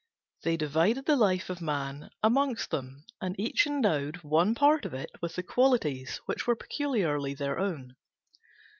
They divided the life of Man among them, and each endowed one part of it with the qualities which were peculiarly his own.